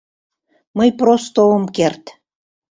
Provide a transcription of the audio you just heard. Мый просто ом керт.